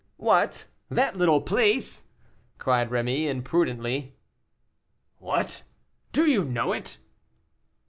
"What, that little place?" cried Rémy, imprudently. "What! do you know it?"